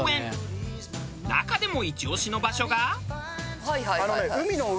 中でもイチ押しの場所が。